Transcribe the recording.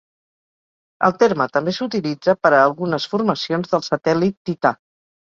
El terme també s'utilitza per a algunes formacions del satèl·lit Tità.